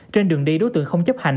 trên đường đi đối tượng không chấp hành